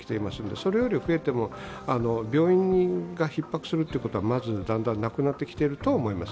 それより増えても、病院がひっ迫することはだんだんなくなってきていると思います。